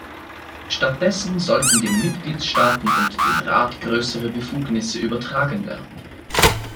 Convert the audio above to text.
Statt dessen sollten den Mitgliedstaaten und dem Rat größere Befugnisse übertragen werden.